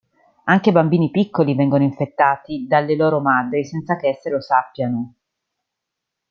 Anche bambini piccoli vengono infettati dalle loro madri senza che esse lo sappiano.